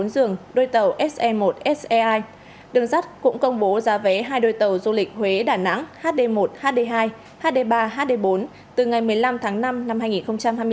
đường sát cũng công bố giá vé hai đôi tàu du lịch huế đà nẵng hd một hd hai hd ba hd bốn từ ngày một mươi năm tháng năm năm hai nghìn hai mươi bốn